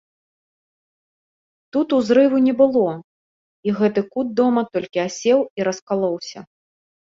Тут узрыву не было, і гэты кут дома толькі асеў і раскалоўся.